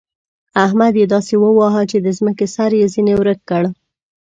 احمد يې داسې وواهه چې د ځمکې سر يې ځنې ورک کړ.